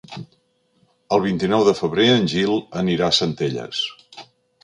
El vint-i-nou de febrer en Gil anirà a Centelles.